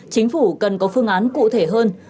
chính phủ cần có phương án cụ thể hơn